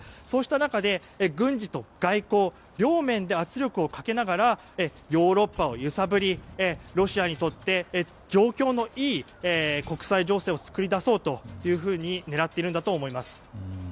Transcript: そうした中で軍事と外交両面で圧力をかけながらヨーロッパを揺さぶりロシアにとって状況のいい国際情勢を作り出そうというふうに狙っているんだと思います。